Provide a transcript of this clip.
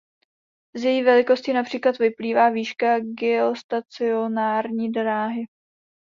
Z její velikosti například vyplývá výška geostacionární dráhy.